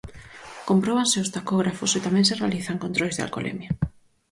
Compróbanse os tacógrafos e tamén se realizan controis de alcolemia.